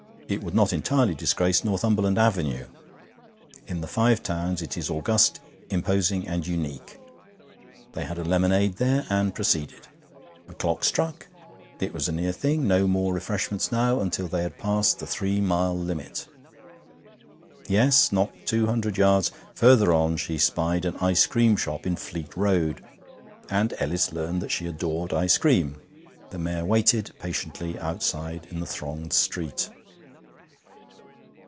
It would not entirely disgrace Northumberland Avenue. In the Five Towns it is august, imposing, and unique. They had a lemonade there, and proceeded. A clock struck; it was a near thing. No more refreshments now until they had passed the three mile limit! Yes! Not two hundred yards further on she spied an ice cream shop in Fleet Road, and Ellis learnt that she adored ice cream. The mare waited patiently outside in the thronged street.